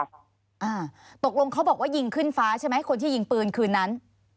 อ่าตกลงเขาบอกว่ายิงขึ้นฟ้าใช่ไหมคนที่ยิงปืนคืนนั้น